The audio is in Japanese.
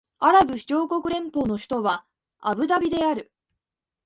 アラブ首長国連邦の首都はアブダビである